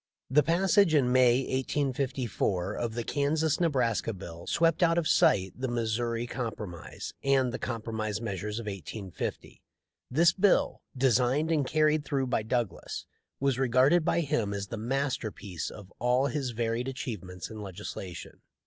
" The passage in May, 1854, of the Kansas Nebraska bill swept out of sight the Missouri Com promise and the Compromise measures of 1850. This bill, designed and carried through by Douglas, was regarded by him as the masterpiece of all his varied achievements in legislation.